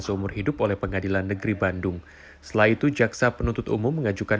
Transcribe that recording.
seumur hidup oleh pengadilan negeri bandung setelah itu jaksa penuntut umum mengajukan